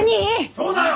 そうだよ！